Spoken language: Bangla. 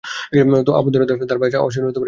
আবু দারদা তাঁর পায়ের আওয়াজ শুনে উঠে এলেন।